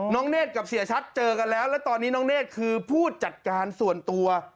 เนธกับเสียชัดเจอกันแล้วแล้วตอนนี้น้องเนธคือผู้จัดการส่วนตัว